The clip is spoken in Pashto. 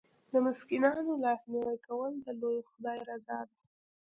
د مسکینانو لاسنیوی کول د لوی خدای رضا ده.